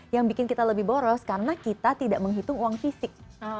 yang bikin kita lebih boros karena kita tidak menghitung uang fisik